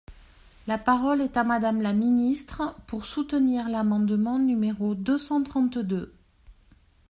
La parole est à Madame la ministre, pour soutenir l’amendement numéro deux cent trente-deux.